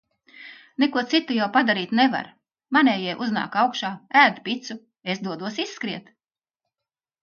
Neko citu jau padarīt nevar. Manējie uznāk augšā, ēd picu. Es dodos izskriet.